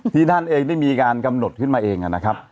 ท่านเองได้มีการกำหนดขึ้นมาเองนะครับ